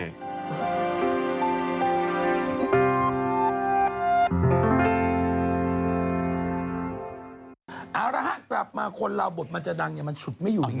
เอาล่ะฮะกลับมาคนเราบทมันจะดังเนี่ยมันฉุดไม่อยู่จริง